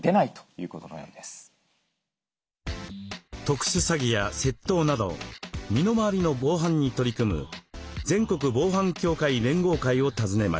特殊詐欺や窃盗など身の回りの防犯に取り組む「全国防犯協会連合会」を訪ねました。